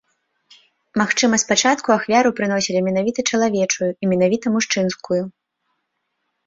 Магчыма спачатку ахвяру прыносілі менавіта чалавечую і менавіта мужчынскую.